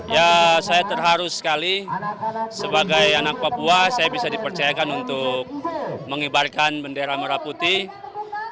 ya saya terharu sekali sebagai anak papua saya bisa dipercayakan untuk mengibarkan bendera merah putih